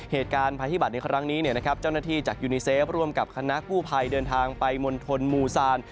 เหตุการณ์ภัยพิบัตรในครั้งนี้เจ้าหน้าที่จากยูนิเซฟร่วมกับคณะกู้ภัยเดินทางไปมณฑลมูซาน